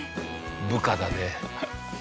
部下だね。